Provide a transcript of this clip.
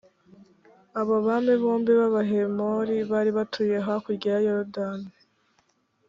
abo bami bombi b’abahemori bari batuye hakurya ya yorudani,